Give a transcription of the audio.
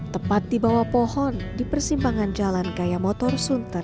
tepat dibawah pohon di persimpangan jalan kayamotorsunter